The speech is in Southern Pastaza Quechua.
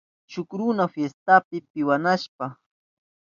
Shuk runa fiestapi piwanushka.